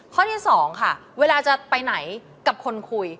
ข้อที่๒ค่ะเวลาจะไปไหนกับคนคุย